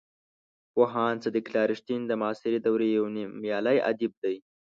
پوهاند صدیق الله رښتین د معاصرې دورې یو نومیالی ادیب دی.